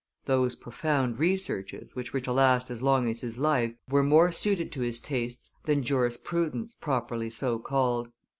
Those profound researches, which were to last as long as his life, were more suited to his tastes than jurisprudence properly so called.